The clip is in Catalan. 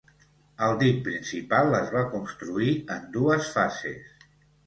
El dic principal es va construir en dues fases.